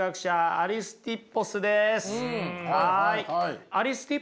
アリスティッポスのね